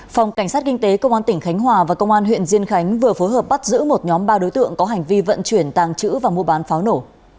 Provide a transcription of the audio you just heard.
phòng cảnh sát kinh tế công an tỉnh khánh hòa và công an huyện diên khánh vừa phối hợp bắt giữ một nhóm ba đối tượng có hành vi vận chuyển tàng trữ và mua bán pháo nổ